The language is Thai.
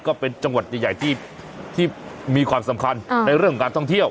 ก็เป็นจังหวัดใหญ่ที่มีความสำคัญในเรื่องของการท่องเที่ยว